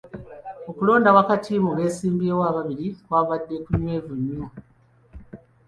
Okulonda wakati mu beesimbyewo ababiri kwabadde kunywevu nnyo.